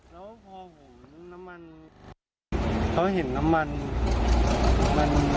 แล้วพอเห็นน้ำมันเขาเห็นน้ำมันมันเต็ดรถเขาบอก